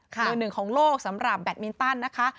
มือหนึ่งของโลกสำหรับแบตมินตันนะคะ